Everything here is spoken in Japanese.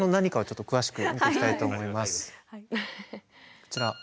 こちら。